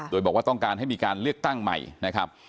โดยบอกว่าต้องการให้มีการเลือกตั้งใหม่นะครับ